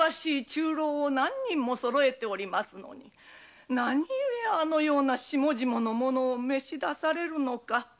中臈を何人もそろえておりますのに何ゆえあのような下々の者を召し出されるのか。